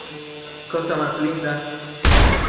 ¡ cosa más linda!